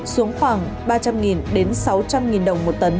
xuống khoảng ba trăm linh đến sáu trăm linh đồng một tấn